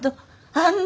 あんな。